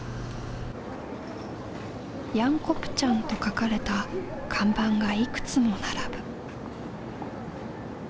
ヤンコプチャンと書かれた看板がいくつも並ぶ。